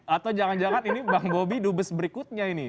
atau jangan jangan ini bang bobi dubes berikutnya ini